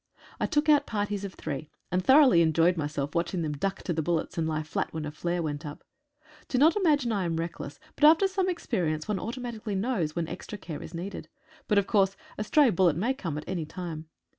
I took out parties of three, and thoroughly enjoyed myself watching them duck to the bullets and lie fiat when a flare went up. Do not imagine I am reckless, but after some experience one automatically knows when extra care is needed. But, of course, a stray bullet may come any time.